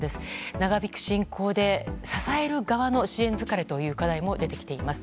長引く侵攻で支える側の支援疲れという課題も出てきています。